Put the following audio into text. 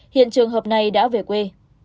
hiện trường hợp này đã về quê